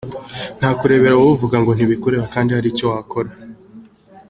Ntakurebera uvuga ngo ntibikureba kandi hari icyo wakora.